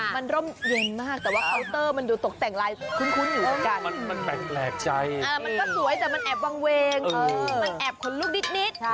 มันก็สวยแต่มันอาบวางเวงมันแอบขนลุกนิด